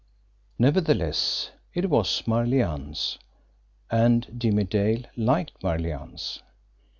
Nevertheless, it was Marlianne's and Jimmie Dale liked Marlianne's.